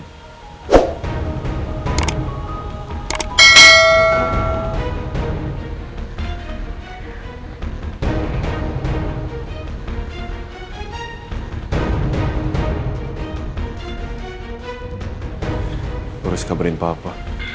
lo harus kabarin pak apa